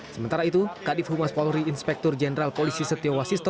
sementara itu kadif humas polri inspektur jeneral polisi setiawa sisto